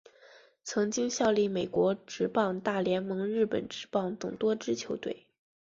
曾经效力美国职棒大联盟日本职棒等多支球队。